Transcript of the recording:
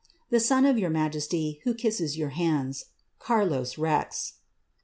^ The son of your majesty, who kisses your hands, "CAmLos Rix.